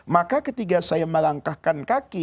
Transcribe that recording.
maka ketika saya melangkahkan kaki